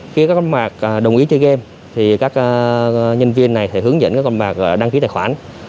khi các con bạc đồng ý chơi game các nhân viên này hướng dẫn con bạc đăng ký tài khoản